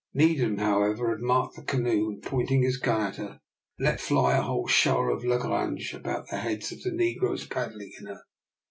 Needham, however, had marked the canoe; and, pointing his gun at her, let fly a whole shower of langrage about the heads of the negroes paddling in her.